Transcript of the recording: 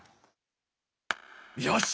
よし。